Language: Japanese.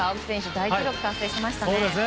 大記録達成しましたね。